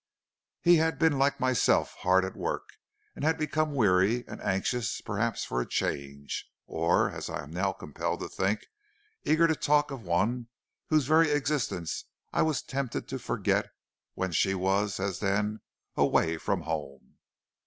He had been like myself hard at work, and had become weary, and anxious perhaps for a change, or, as I am now compelled to think, eager to talk of one whose very existence I was tempted to forget when she was, as then, away from home.